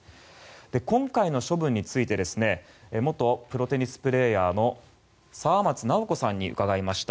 今回の処分について元プロテニスプレーヤーの沢松奈生子さんに伺いました。